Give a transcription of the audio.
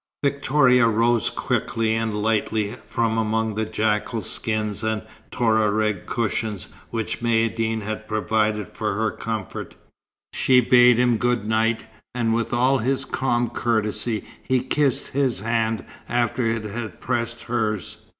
Victoria rose quickly and lightly from among the jackal skins and Touareg cushions which Maïeddine had provided for her comfort. She bade him good night, and with all his old calm courtesy he kissed his hand after it had pressed hers.